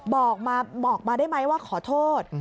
บอกมาได้ไหมว่าขอโทษ